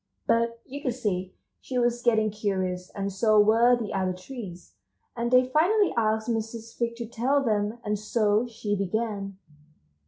But you could see she was getting curious, and so were the other trees, and they finally asked Mrs. Fig to tell them, and so she began.